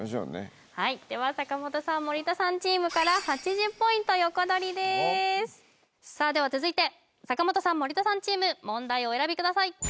はいでは坂本さん森田さんチームから８０ポイント横取りですさあでは続いて坂本さん森田さんチーム問題をお選びください